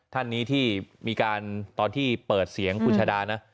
ท่านนี้ที่มีการตอนที่เปิดเสียงคุณชาดานะ